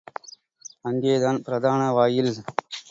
அங்கேதான் பிரதான வாயில்.